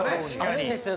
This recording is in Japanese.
あるんですよ。